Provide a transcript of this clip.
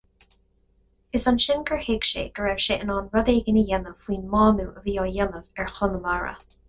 Is ansin gur thuig sé go raibh sé in ann rud éigin a dhéanamh faoin mbánú a bhí á dhéanamh ar Chonamara.